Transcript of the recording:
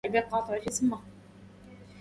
ومؤسس علم أصول الفقه